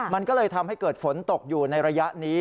มันก็เลยทำให้เกิดฝนตกอยู่ในระยะนี้